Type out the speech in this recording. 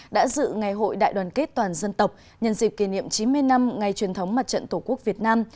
đã dự ngày hội đại đoàn kết toàn dân tộc nhân dịp kỷ niệm chín mươi năm ngày truyền thống mặt trận tổ quốc việt nam